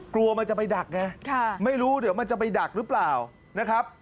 กลัวมันจะไปดักไงไม่รู้เดี๋ยวมันจะไปดักหรือเปล่านะครับ